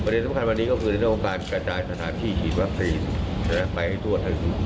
นายกก็ย้ำนะคะบอกว่าการระบาดในระรอกเมษาเนี่ย